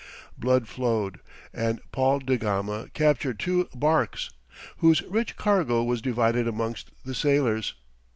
Blood flowed, and Paul da Gama captured two barques, whose rich cargo was divided amongst the sailors.